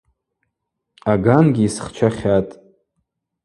Агангьи йсхчахьатӏ.